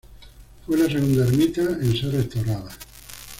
Fue la segunda ermita en ser restaurada.